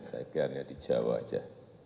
saya kira ya di jawa saja